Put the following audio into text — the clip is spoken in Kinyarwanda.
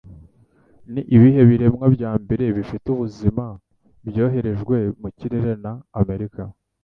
Ni ibihe biremwa bya mbere bifite ubuzima byoherejwe mu kirere na Amerika?